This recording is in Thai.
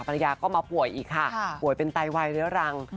ภรรยาก็มาป่วยอีกค่ะป่วยเป็นไตวายเรื้อรัง